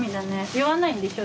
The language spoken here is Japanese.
酔わないんでしょ？